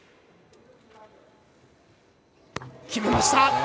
決めました。